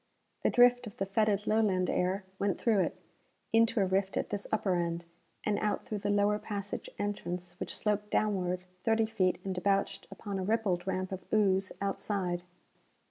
A drift of the fetid, Lowland air went through it into a rift at this upper end, and out through the lower passage entrance which sloped downward thirty feet and debouched upon a rippled ramp of ooze outside.